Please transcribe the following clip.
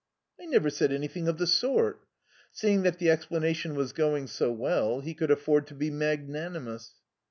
"I never said anything of the sort." Seeing that the explanation was going so well he could afford to be magnanimous.